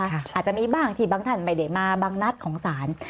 อาจจะมีบ้างที่บางท่านไม่ได้มาบางนัดของศาล